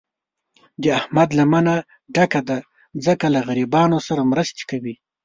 د احمد لمنه ډکه ده، ځکه له غریبانو سره مرستې کوي.